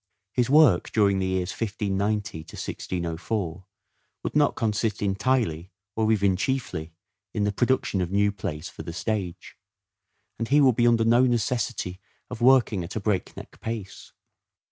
His work during the years 1590 1604 would not consist entirely, or even chiefly, in the production of new plays for the stage ; and he would be under no necessity of working at a break neck pace.